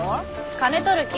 金取る気？